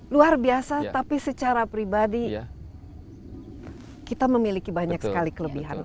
luar biasa tapi secara pribadi kita memiliki banyak sekali kelebihan